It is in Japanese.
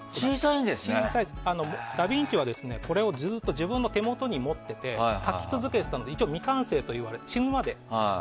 ダヴィンチはこれをずっと手元に持っていて描き続けたので一応未完成と言われて。